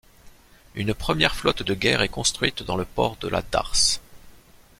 Une première flotte de guerre est construite dans le port de la Darse.